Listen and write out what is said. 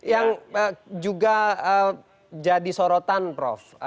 yang juga jadi sorotan prof